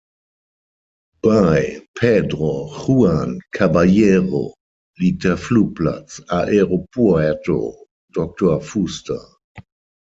Bei Pedro Juan Caballero liegt der Flugplatz Aeropuerto Doctor Fuster.